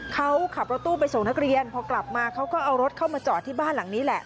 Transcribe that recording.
เขาขับรถตู้ไปส่งนักเรียนพอกลับมาเขาก็เอารถเข้ามาจอดที่บ้านหลังนี้แหละ